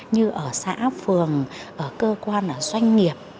như ở xã phường ở cơ quan ở doanh nghiệp